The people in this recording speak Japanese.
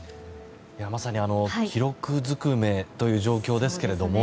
まさに記録ずくめという状況ですが。